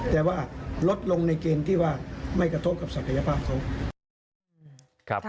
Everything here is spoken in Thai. แต่ว่าลดลงในเกณฑ์ที่ว่าไม่กระทบกับศักยภาพเขา